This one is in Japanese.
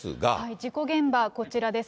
事故現場こちらです。